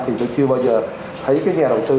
thì nó chưa bao giờ thấy cái nhà đầu tư